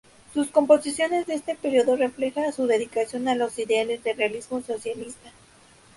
Sus composiciones de este período refleja su dedicación a los ideales de Realismo socialista.